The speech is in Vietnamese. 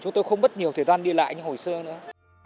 chúng tôi không mất nhiều thời gian đi lại như hồi xưa nữa